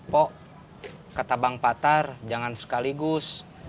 pok kata bang patar jangan sekaligus